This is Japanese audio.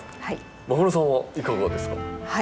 間室さんはいかがですか？